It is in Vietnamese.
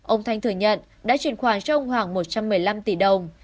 ông thanh thừa nhận đã chuyển khoản cho ông hoàng một trăm một mươi năm tỷ đồng